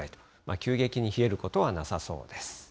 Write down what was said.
急激に冷えることはなさそうです。